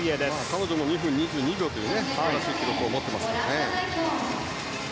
彼女も２分２２秒という素晴らしい記録を持っていますからね。